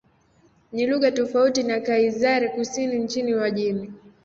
Ni lugha tofauti na Kiazeri-Kusini nchini Uajemi.